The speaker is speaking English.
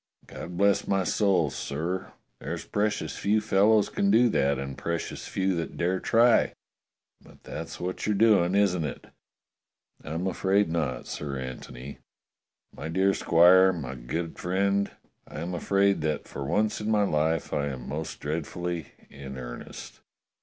God bless my soul, sir, there's precious few fellows can do that, and precious few that dare try; but that's what you're doing, isn't it?" "I'm afraid not. Sir Antony. My dear squire, my good friend, I am afraid that for once in my life I am most dreadfully in earnest."